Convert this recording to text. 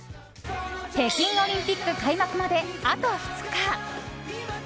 北京オリンピック開幕まであと２日。